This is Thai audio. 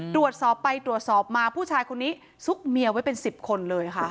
ตรวจสอบไปตรวจสอบมาผู้ชายคนนี้ซุกเมียไว้เป็น๑๐คนเลยค่ะ